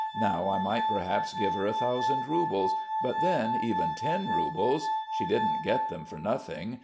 Now I might perhaps give her a thousand roubles; but then even ten roubles ... she didn't get them for nothing.